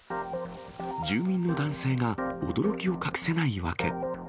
住民の男性が驚きを隠せない訳。